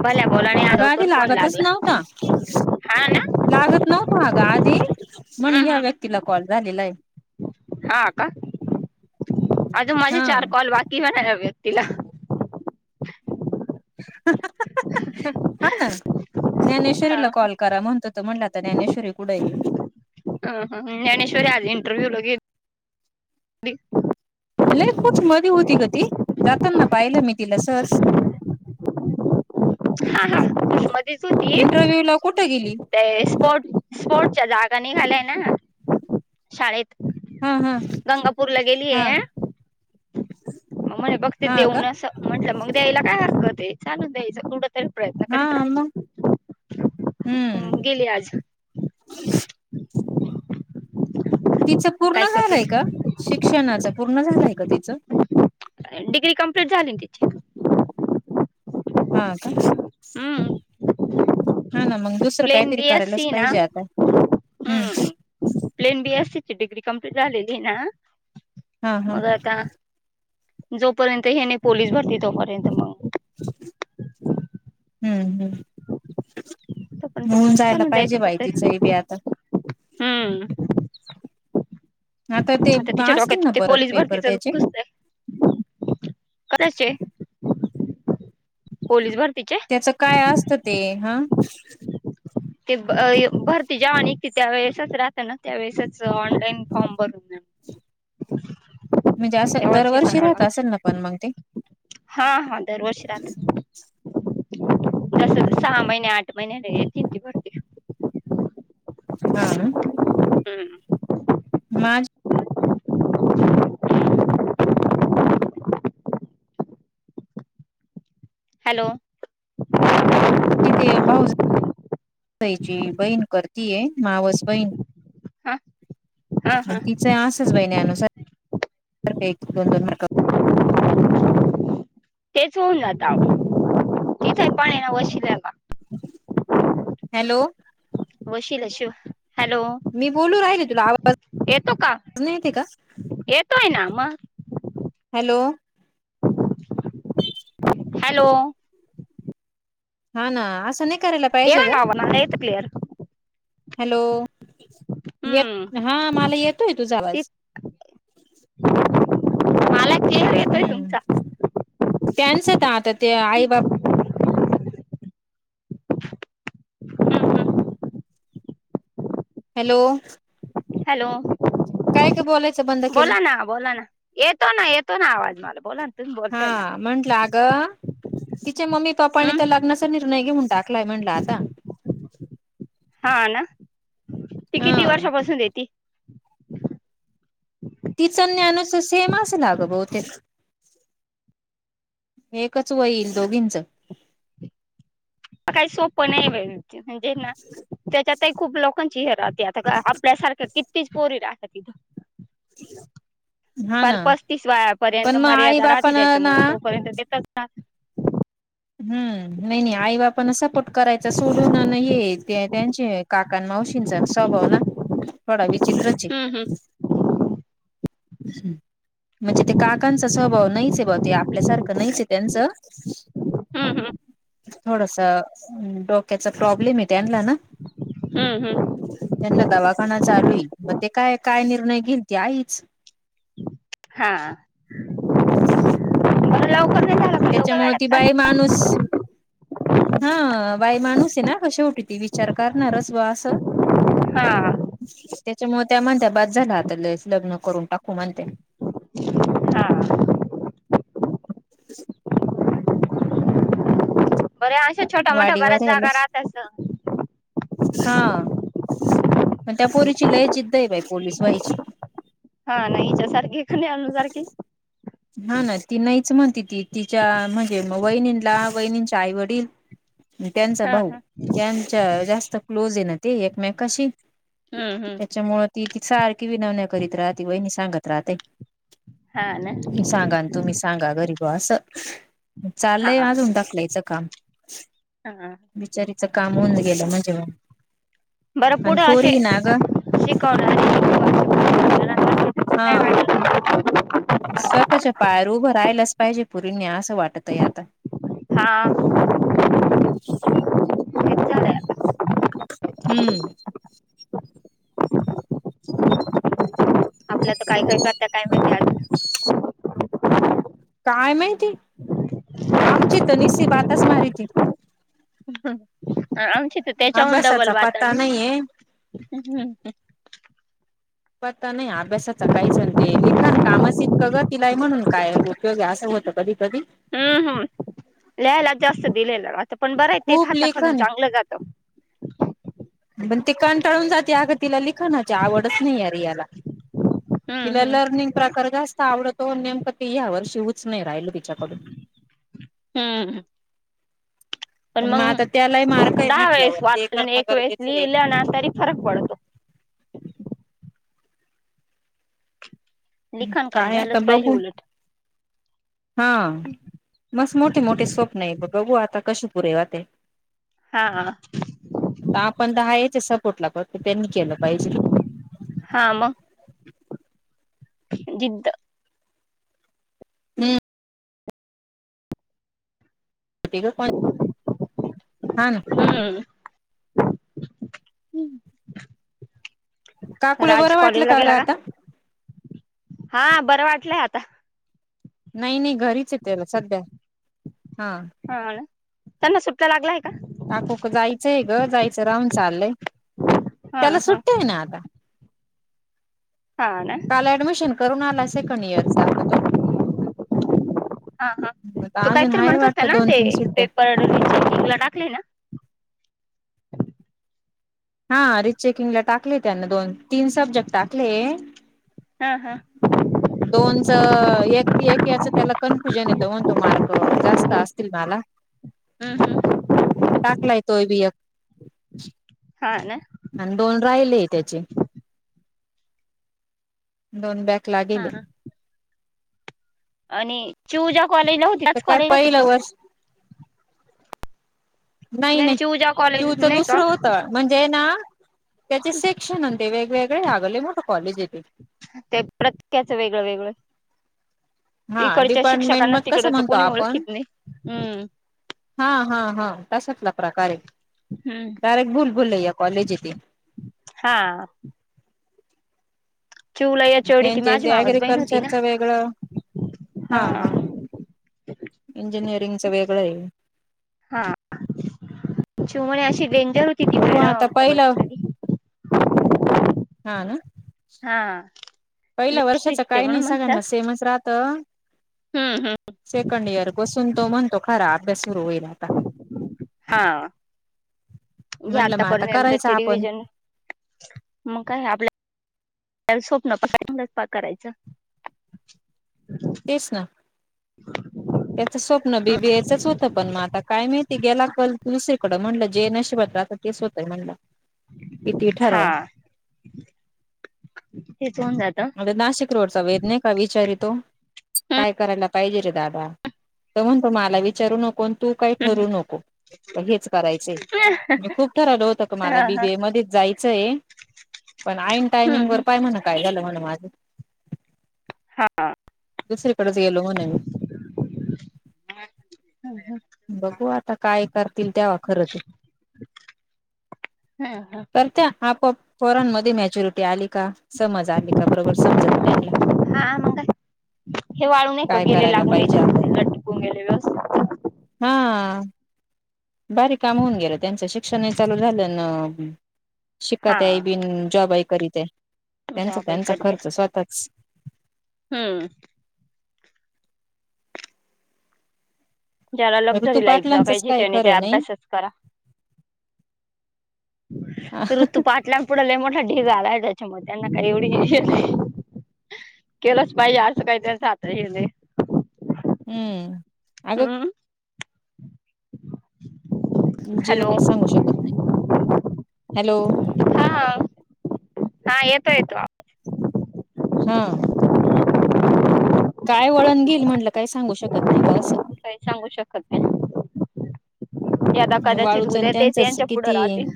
भल्या बोलाने हा अग आधी लवकर फोन लागतच लागला नव्हत. हा ना लागत नव्हत अगा आधी म्हण हम्म या हम्म व्यक्तीला कॉल झालेला आहे. हा का अजून माझे हा चार कॉल बाकी होणा्या व्यक्तीला ह ना. ज्ञानेश्वरीला कॉल करा म्हणतो त म्हटलं आता ज्ञानेश्वरी कुठेही ह ह ज्ञानेश्ी आज इंटरव्ह्यू ले [unintelligible] लय कुचमधी होती ग ती, जाताना पाहिलं मी तिला सहज. [inaudible] हा हा अशी मधीच होती. इंटरव्ह्यू ला कुठे गेली ते स्पोर्ट स्पोर्टच्या जागा निघाल्या हाय ना. शाळेत, हा हा गंगापूरला हा गेलीये. मग म्हणे बघते हा का देऊन असं. म्हटलं मग द्यायला काय हरकत हाय, चालू द्यायचं [unintelligible] तर प्रयत्न हा करत मग राहायचे. हं हम्म गेले आज. [inaudible] तिचं काय पूर्ण करते झालंय का, शिक्षणाच पूर्ण झालंय का तिचं? डिग्री कंप्लीट झाली न तिची. हा का. हम्म हा ना मग, दुसरं प्लेन काहीतरी बी एस करायलाच सी ना पाहिजे आता. हम्म. प्लेन बीएससीची डिग्री कंप्लीट झालेली ना, हा हा मग आता जोपर्यंत हेनी पोलीस भरती तोपर्यंत मग. हम्म हम्म. तोपर्यंत होऊन मग जायला चालून पाहिजे द्यायचं बाई, कुठतरी तिचंही बी आता. हम्म. ते आता तिच्या असतील डोक्यात ना ते परत पोलीस पेपर भरतीचच त्याचे घुसतं. कदाचे, पोलीस भरतीचे? त्याच काय असतं ते हां. ते ब य भरती जवाने येतीत. त्यावेेळेसच राहत ना, त्यावेळेसच ऑनलाईन फॉर्म भरून जा. म्हणजे असं तेव्हाच हे दरवर्षी करावं राहत लागतं असेल ना पण मग ते? हा हा दरवर्षी रहातं. हम्म तस हम्म सहा महिने, आठ महिन्याने येते [unintelligible] भरती. हा. हम्म. माझं हॅलो. तिथे भाऊज [unintelligible] ची बहीण करतीये, मावस बहीण. हा. हा हा तिचं असंच बहिन्यानुसार, एक दोन दोन मार्क तेच होऊन आता, इथं हाय पाणी ना वशिल्याला. हॅलो. वशिल्याशीव हॅलो. मी बोलू राहिले तुला आव येतो का? येतोय ना मग. हॅलो. हॅलो. हा ना, असं नाही करायला पाहिजे येवा ग. ना मला येतं क्लिअर हॅलो, येत हम्म हा मला येतोय तुझा ती आवाज. मला क्लिअर येतोय हम्म, तुमचा त्यांच त आता ते आई बाप हॅलो. हॅलो. काय गं बोल. बोला ना बोला ना, येतो ना येतो ना आवाज मला. बोला ना, तुम्ही बोलताय ना. हा म्हंटलं अगं, तिच्या मम्मी पप्पानी तर हम्म लग्नाचा निर्णय घेऊन टाकलाय म्हटलं आता. हा ना, ती किती हा वर्षापासून येती? तिचं ज्ञानुच सेम, असल आगं बहुतेक. एकच होईल दोघींचं. काही सोप नाही बाई म्हणजे ना, त्यांच्यातही खूप लोकांची हे रात. आता आपल्यासारखं किंतीच, पोरी राहत्यात तीथं. [inaudible] हा पार ना पस्तीस वयापर्यंत पण मग आई मर्यादा राहते, बापानं ना त्याच्यामुळ तोपर्यंत देतात ना. हम्म, नाही नाही आई बापानं सपोर्ट करायचा सोडून हे ते त्यांचे, काकान माऊशीनचा स्वभाव ना, थोडा विचित्र. हम्म हम्. हम्म. म्हणजे ते काकांचा स्वभाव नाहीच, बाऊ ते आपल्यासारखं नाहीच आहे त्यांचं. हम्म हम्म. थोडंसं, डोक्याचा प्रॉब्लेम हे त्यानलाना. हम्म हम्म. त्यांना दवाखाना चालू ये, म ते काय काय निर्णय घेईल ती आईच. [inaudible] हा, बर लवकर. नाही झालं का लवकर तेच्यामुळे वेळात ती का बाई माणूस. हा बाई माणूस आहे ना, शेवटी ती विचार करणारच बा असं. हां. त्यामुळे त्या म्हणत्या बास झाल आता, लयच लग्न करून टाकू म्हणत्या. [inaudible] बर्या अशा छोट्या मोठ्या बऱ्याच वाडीवर जागा राहत असंत. हां. त्या पोरीची लय जिद्द आहे, बाई पोलीस व्हायची. हा नाही च्या सारखी कणी, आणू सारखी. हा ना ती नाहीच म्हणती ती, तिच्या म्हणजे वहिनींला वहिनींच्या आई वडील. आणि त्यांचा हा भाऊ हा त्यांच्या जास्त क्लोज आहे ना, ते एकमेकांशी. हम्म हम्म तेच्यामुळे ती ती सारखी विनवण्या करीत राहते, वहिणी सांगत राहते. हा ना तुम्ही सांगा आणि तुम्ही, सांगा गरीब असं. हा चालय अजून ढकलायचं काम. हा बिचारीच काम होऊन गेलं, म्हणजे मग. बरं आणि पुढं असे पोरी ना ग शिकवणारे, काय हां. वाटलं स्वतःच्या पायावर उभं राहिलाच पाहिजे, पोरींनी असं वाटतय आता. ना... तेच झालंय हम्म. आपल्यातर काय काय करत्यात, काय माहिती अजून. काय माहिती, आमची तर निसती बाताच मारीती. आमची तर त्यांच्याहून डबल अभ्यासाचा पत्ता वाताडू नाहीये हं. आता नाही अभ्यासाच काही चण ते, लिखण कामस इतकं ग तीलाय म्हणून काय गं. कग असं होतं, कधी कधी. लिहायलाच जास्त दिलेलं राहतं, पण बरं आहे तेच खूप हात खालून लेखन चांगलं जातं. पण ते कंटाळून जाते, अगं तिला लिखाणाची आवडच नाही रियाला. हम्म तिला हम्म लर्निंग. प्रकार जास्त आवडतो नेमकं, ती या वर्षी ते हूच नाही राहिल तिच्याकडून. हम्म. पण मग आता त्यालाही मार्क मंग आहे दहा म्हटल्यावर वेळेस ते वाचल करणं एक वेळेस गरजेचं आहे. लिहिलं ना तरी फरक पळतो. लिखाण काम काय आता झालंच पाहिजे बघू उलट. हा मस मोठी मोठी स्वप्न आहे. बघू आता कशु पुरे होते. हा. हा. आता आपण दहा याच सपोर्टला प त्यांनी केलं पाहिजे. हा मग? जिद्द हम्म. [unintelligible] हा ना. हम्म. काकूला राज बरं वाटलं कॉलेजला ग गेला का? आता? हा बरं वाटलंय आता. नाही नाही घरीच आहेत त्याला सध्या हा. हा ना त्यांना सुट्ट्या लागलाय का? काकुक जायचंय गं, जायचं राहून चाललंय. हा त्याला हा सुट्टी आहे ना आता. हा ना काल ऍडमिशन करून आला सेकंड इयरचा आता तो. हा हा. मग आता अजून हाय वाटत दोन तीन सुट्ट्या. रिचेकिंगला टाकले ना? हा रिचेकिंगला टाकले त्यांने दोन. तीन सब्जेक्ट टाकले. हा हा दोनच एक एक याच त्याला कन्फ्युजन येतं म्हणतो मार्क जास्त असतील मला. हम्म मग टाकलाय तोय बी एक. हा ना. आणि दोन राहिले त्याचे. दोन बॅकला हा गेले. आणि चिऊ ज्या कॉलेजला होती आता त्याच काय कॉलेजला का पहिलं तो. वर्ष नाही नाही. चिऊजा कॉलेज पिऊचं नाही का दुसरं होतं. म्हणजे ना त्याचे सेक्शन हाय ना ते वेगवेगळे आग लई मोठं कॉलेज हाय ते. ते प्रत्याचं वेगळं-वेगळं हा इकडच्या डिपार्टमेंट शिक्षकांना मग कसं तिकडचं म्हणतो कोणी आपण ओळखत नाही हम्म. हा हा हा. तश्यातला प्रकार आहे. हम्म डायरेक्ट भुल भुलैया कॉलेज हाय ते. हा. चिऊला एचओडी होती ती त्यांचे माझी ते मावस बहीण होती ना. ऍग्रिकल्चरचं वेगळं इंजिनीरींगच वेगळं आहे. हा. चिवणे अशी डेंजर ती बघू आता मॅडम का बस पहिलं, कधी हा ना? हा. पहिल्या वर्षाच स्ट्रिक्ट आहे काही नाही म्हणून म्हटलं सगळ्यांना सेमच राहतं. हम्म हम्म. सेकंड इयर बसून तो म्हणतो खरा अभ्यास सुरू होईल आता. हा. जे म्हणलं मग आता करायच आतापर्यंतचे आपण रिव्हजन, मग काय आपल्या स्वप्न [unintelligible] करायचं. तेच ना. [inaudible] त्याचं स्वप्न बीबीएचच होतं, पण मग आता काय माहिती गेला कल दुसरीकडं म्हणलं जे नशिबात राहता तेच होतंय म्हंटल. कितीही हा ठरवा. तेच होऊन जात मग आता नाशिक रोडचा वेद नाही हा विचार येतो, काय करायला पाहिजे रे दादा. तो म्हणतो मला विचारू नको आणि तू काही ठरू नको. मग हेच करायचंय. मी खूप ठरवल होतं, का हा मला हा बीबीएमध्येच जायचंय. पण आईन टायमिंग वर पाय म्हण काय झालं हेलवन माझं दुसरीकडेच गेलो म्हणे मी. हम्म हम्म. बघू आता काय करतील तेव्हा खरं ते. हम्म. करत्या आपोआप पोरांमध्ये मॅच्युरिटी आली का. समज आली का बरोबर समजवतो त्यांला. हा मग का हे वाळू का काय गेले करायला लागून पाहिजे आपण आहे का टिकून गेले व्यवस्थित हा भारी काम होऊन गेलं, त्यांचं शिक्षणही चालू झालं न हा शिकात बिन जॉबई करीत आहे तुमच्या त्यांचा बाबाई त्यांचा करते खर्च स्वतःच हम्म जरा लक्झरी ऋतू लाइफ पाटलांचंच जगायचे काय त्यानी त्या खरं नाही अभ्यासच करा. ऋतुपाठ लांपुढ लय मोठा ढीग आलाय, त्याच्यामुळे त्यांना काय एवढी हे नाही. केलंच पाहिजे असं काहीतरी जातं हे लय हम्म अग हम्म हॅलो जिवाय सांगू शकत नाही. हॅलो हा हा येतो येतो हा काय वळण घेईल, म्हटलं काय सांगू शक काय सांगू शकत नाही. ते आता कदाचित वाळूच आणि उद्या तेच त्यांचंच यांच्या पुढे किती राहतील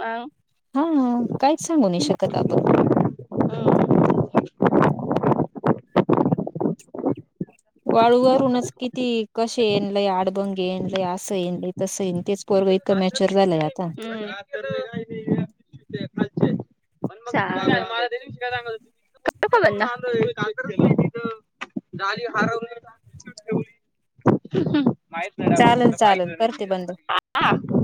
अ? हा काहीच सांगू नाही शकत आपण. हम्म. वाळूवरूनच किती कसे येनलय आडबंग येनलय असं येनलय तसं येन तेच पोरगं इतकं मॅच्युअर झालंय या हम्म [unintelligible] [inaudible] [unintelligible] गाडी हरवली का, हरवली. माहित नाही रा चालेल फक्त पाहिच चालेल नई करते बंद तिच्या खाली